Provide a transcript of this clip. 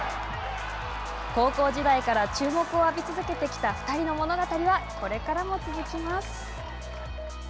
高校時代から注目を浴び続けてきた２人の物語はこれからも続きます。